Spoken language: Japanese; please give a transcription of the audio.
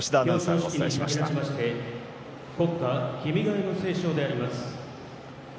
国歌「君が代」の斉唱であります。